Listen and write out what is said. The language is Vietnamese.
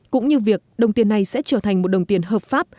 cũng như việc đồng tiền này sẽ trở thành một đồng tiền hợp pháp